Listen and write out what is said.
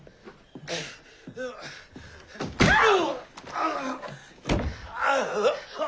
ああ。